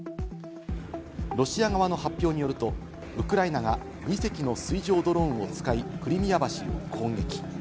ロシア側の発表によると、ウクライナが２隻の水上ドローンを使い、クリミア橋を攻撃。